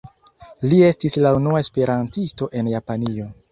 Li estis la unua esperantisto en Japanio.